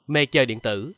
mê chơi điện tử